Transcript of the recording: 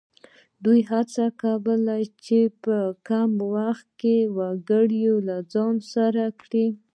دوی هڅه کوله چې په کم وخت کې وګړي له ځان سره کړي.